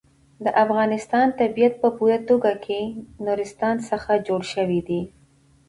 د افغانستان طبیعت په پوره توګه له نورستان څخه جوړ شوی دی.